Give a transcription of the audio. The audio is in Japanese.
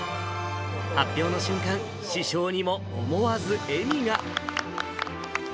発表の瞬間、師匠にも思わず笑みが。